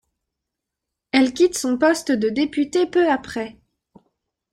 Elle quitte son poste de députée peu après.